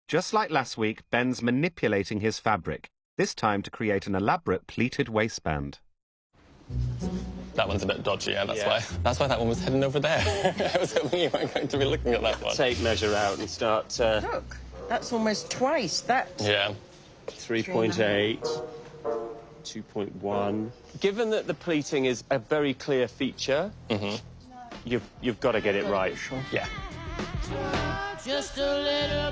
はい。